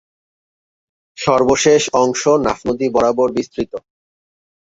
সর্বশেষ অংশ নাফ নদী বরাবর বিস্তৃত।